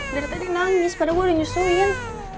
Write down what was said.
daritadi nangis padahal gue udah nyusuin